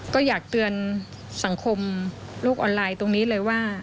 ก็อยากเตือนสังคมโลกออนไลน์ตรงนี้เลยว่า